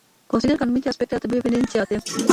Consider că anumite aspecte ar trebui evidențiate.